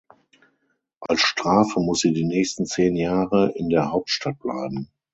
Als Strafe muss sie die nächsten zehn Jahre in der Hauptstadt bleiben.